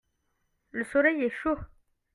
le soleil est chaud.